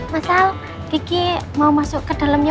masal gigi mau masuk ke dalamnya